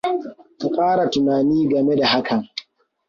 Ka Kara tunani game da hakan.